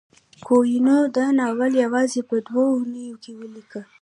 کویلیو دا ناول یوازې په دوه اونیو کې ولیکه.